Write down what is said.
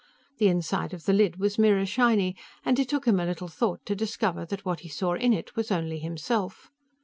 The inside of the lid was mirror shiny, and it took him a little thought to discover that what he saw in it was only himself.